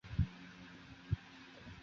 父亲近藤壮吉是律师则为藩士之后。